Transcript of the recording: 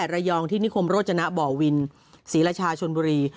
ระยองที่นิคมโรจนะบ่อวินศรีราชาชนบุรี